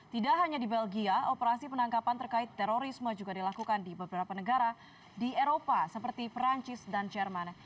tidak hanya di belgia operasi penangkapan terkait terorisme juga dilakukan di beberapa negara di eropa seperti perancis dan jerman